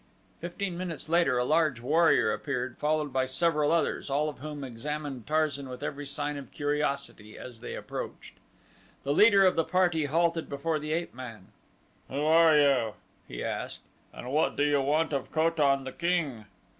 Fifteen minutes later a large warrior appeared, followed by several others, all of whom examined Tarzan with every sign of curiosity as they approached. The leader of the party halted before the ape man. "Who are you?" he asked, "and what do you want of Ko tan, the king?"